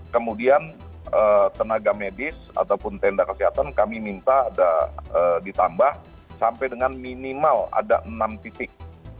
kemudian tenaga medis ataupun tenda kesehatan kami minta ada ditambah sampai dengan minimal ada enam titik